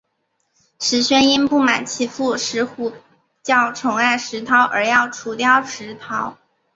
石宣因不满其父石虎较宠爱石韬而要除掉石韬。